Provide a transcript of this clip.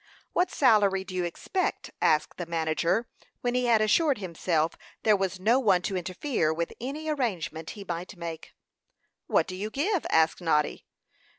"What salary do you expect?" asked the manager, when he had assured himself there was no one to interfere with any arrangement he might make. "What do you give?" asked Noddy.